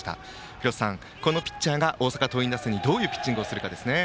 廣瀬さん、このピッチャーが大阪桐蔭打線にどういうピッチングをするかですね。